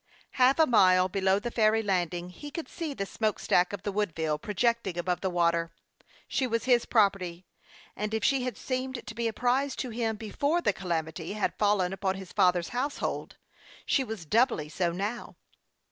Half a mile below the ferry landing lie could see the smoke stack of the "Woodville, projecting above I THE YOUNG PILOT OF LAKE CHAMPLAIN. 101 the water. She was his property ; and if she had seemed to be a prize to him before the calamity had fallen upon his father's household, she was doubly so now.